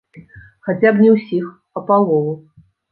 Хаця б не ўсіх, а палову.